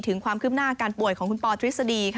ถึงความคืบหน้าอาการป่วยของคุณปอทฤษฎี